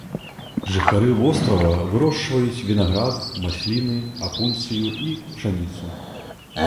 Жыхары вострава вырошчваюць вінаград, масліны, апунцыю і пшаніцу.